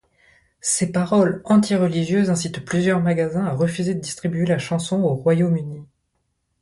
Ces paroles anti-religieuses incitent plusieurs magasins à refuser de distribuer la chanson au Royaume-Uni.